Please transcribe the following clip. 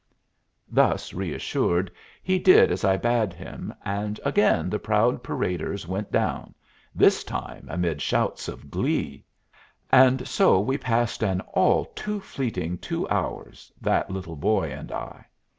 Thus reassured, he did as I bade him, and again the proud paraders went down, this time amid shouts of glee. And so we passed an all too fleeting two hours, that little boy and I.